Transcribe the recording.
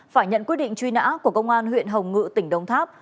phải nhận quyết định truy nã của công an huyện hồng ngự tỉnh đông tháp